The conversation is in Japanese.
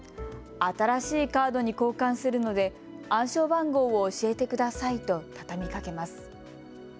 新しいカードに交換するので暗証番号を教えてくださいと畳みかけます。